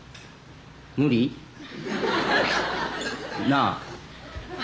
無理？なあ？